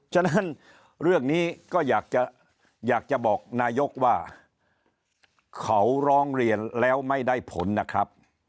ฉะนั้นเรื่องนี้ก็อยากจะบอกนายกว่าเขาร้องเรียนแล้วไม่ได้ผลนะครับ